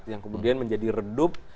yang kemudian menjadi redup